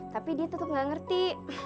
tapi dia tetep gak ngerti